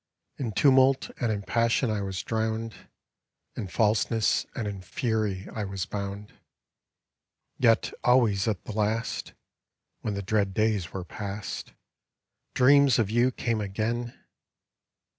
In tumult and in passion I was drowned. In falseness and in fury I was bound; Yet always at the last When the dread days were past. Dreams of you came again.